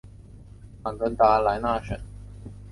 马格达莱纳省。